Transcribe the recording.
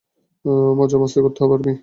মজা মাস্তি করতে পারবি!